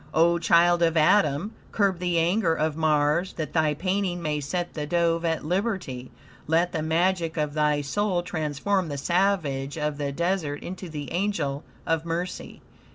O child of Adam, curb the anger of Mars, that thy painting may set the dove at liberty. Let the magic of thy soul transform the savage of the desert into the angel of mercy.